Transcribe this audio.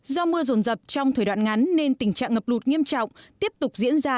do mưa rồn rập trong thời đoạn ngắn nên tình trạng ngập lụt nghiêm trọng tiếp tục diễn ra